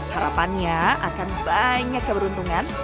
harapannya akan banyak keberuntungan